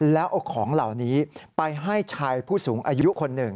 แล้วเอาของเหล่านี้ไปให้ชายผู้สูงอายุคนหนึ่ง